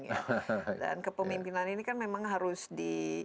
dan kepemimpinan ini kan memang harus di